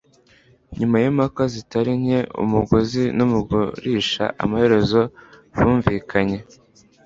Nyuma yimpaka zitari nke umuguzi nugurisha amaherezo bumvikanye